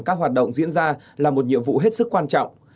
các hoạt động diễn ra là một nhiệm vụ hết sức quan trọng